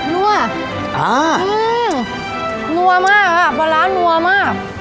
นั่วอ่านั่วมากปลาร้านั่วมาก